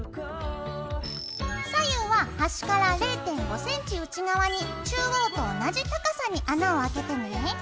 左右は端から０．５ｃｍ内側に中央と同じ高さに穴をあけてね。